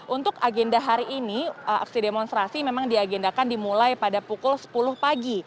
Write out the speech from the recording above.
untuk agenda hari ini aksi demonstrasi memang diagendakan dimulai pada pukul sepuluh pagi